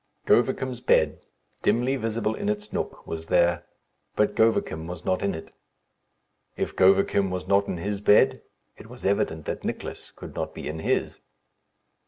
Govicum's bed, dimly visible in its nook, was there; but Govicum was not in it. If Govicum was not in his bed, it was evident that Nicless could not be in his.